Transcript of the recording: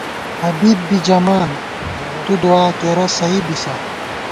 حبیب بی ژَمان ، تُو دُعا کېرہ سَئ بِسہ